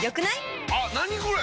あっ何これ！